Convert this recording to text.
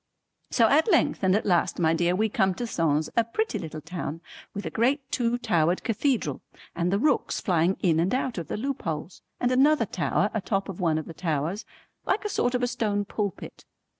So at length and at last my dear we come to Sens, a pretty little town with a great two towered cathedral and the rooks flying in and out of the loopholes and another tower atop of one of the towers like a sort of a stone pulpit.